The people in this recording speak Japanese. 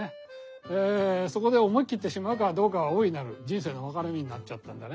そこで思い切ってしまうかどうかは大いなる人生の分かれ目になっちゃったんだね。